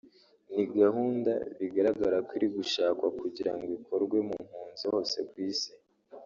ni gahunda bigaragara ko iri gushakwa kugira ngo ikorwe mu mpunzi hose ku Isi